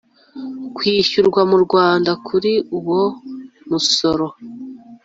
kwishyurwa mu rwanda kuri uwo musaruro